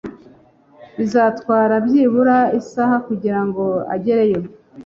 Bizatwara byibura isaha kugirango ugereyo.